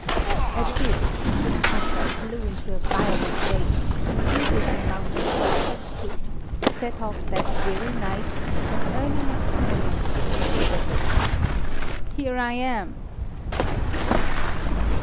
At this Kuczuk Pasha flew into a violent rage, immediately mounted all his troops, set off that very night, and early next morning stood before Debreczen. "Here I am!" cried he.